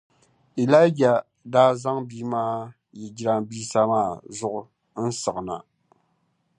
Ilaija daa zaŋ bia maa yi jirambisa maa zuɣu n-siɣi na.